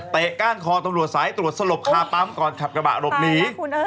ก้านคอตำรวจสายตรวจสลบคาปั๊มก่อนขับกระบะหลบหนี